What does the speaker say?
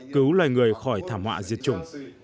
cứu loài người khỏi thảm họa diệt chủng